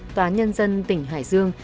tòa nhân dân tỉnh hải dương